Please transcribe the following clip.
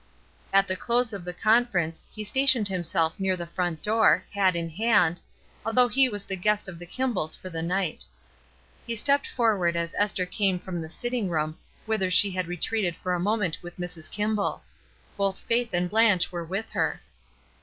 At the close of the conference he stationed himself near the front door, hat in hand, although 274 ESTER RIED'S NAMESAKE he was the guest of the Kimballs for the night. He stepped forward as Esther came from the sitting room whither she had retreated for a moment with Mrs. Kimball. Both Faith and Beatrice were with her.